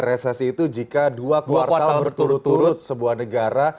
resesi itu jika dua kuartal berturut turut sebuah negara